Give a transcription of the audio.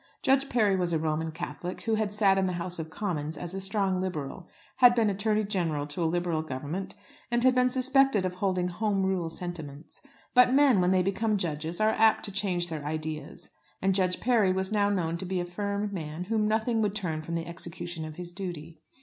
Judge Parry was a Roman Catholic, who had sat in the House of Commons as a strong Liberal, had been Attorney General to a Liberal Government, and had been suspected of holding Home Rule sentiments. But men, when they become judges, are apt to change their ideas. And Judge Parry was now known to be a firm man, whom nothing would turn from the execution of his duty.